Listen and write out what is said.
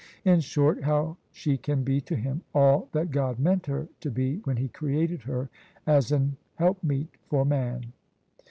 In short, how she can be to him all that God meant her to be when He created her as an helpmeet for man."